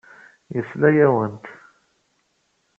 Yesla-awent.